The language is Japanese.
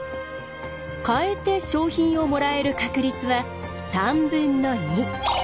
変えて賞品をもらえる確率は３分の２。